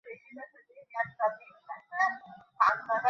ওরা নিজেদের বোন, মা, বা নিজের মেয়েকেও চেনে না।